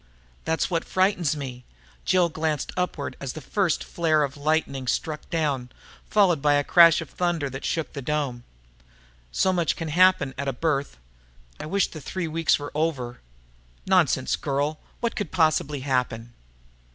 "That's what frightens me." Jill glanced upward as the first flare of lightning struck down, followed by a crash of thunder that shook the dome. "So much can happen at a birth. I wish the three weeks were over!" "Nonsense, girl! What could possibly happen?"